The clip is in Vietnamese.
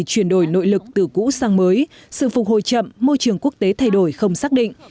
chuyển đổi nội lực từ cũ sang mới sự phục hồi chậm môi trường quốc tế thay đổi không xác định